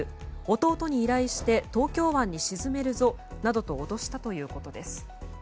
弟に依頼して東京湾に沈めるぞなどと脅したということです。